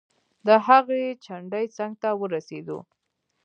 د هغې چنډې څنګ ته ورسیدو.